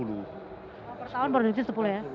per tahun produksi sepuluh ya